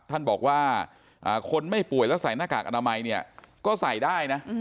ท่านบอกว่าคนไม่ป่วยแล้วใส่หน้ากากอนามัยเนี่ยก็ใส่ได้นะ